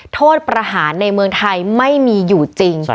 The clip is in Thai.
โทษประหารในเมืองไทยไม่มีอยู่จริง